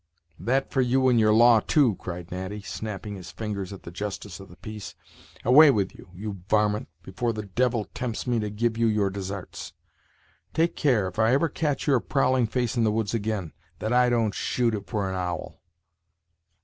"That for you and your law, too," cried Natty, snap ping his fingers at the justice of the peace; "away with you, you varmint, before the devil tempts me to give you your desarts. Take care, if I ever catch your prowling face in the woods agin, that I don't shoot it for an owl."